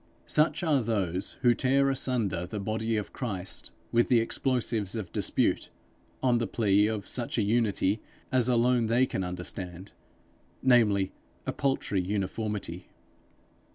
Such are those who tear asunder the body of Christ with the explosives of dispute, on the plea of such a unity as alone they can understand, namely a paltry uniformity.